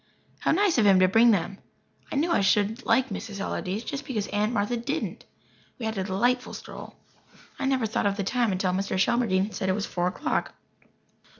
How nice of him to bring them! I knew I should like Mrs. Allardyce, just because Aunt Martha didn't. We had a delightful stroll. I never thought of the time until Mr. Shelmardine said it was four o'clock.